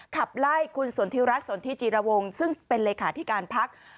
ขับไล่คุณสนทิรัฐสนทิจิรวงซึ่งเป็นเลขาธิการพัก